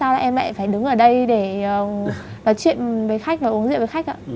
sao lại em lại phải đứng ở đây để nói chuyện với khách và uống rượu với khách ạ